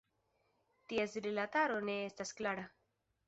Ties rilataro ne estas klara.